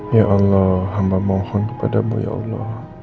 ya allah hamba mohon kepadamu ya allah